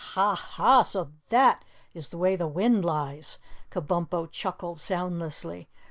"Ha, Ha! So that's the way the wind lies!" Kabumpo chuckled soundlessly.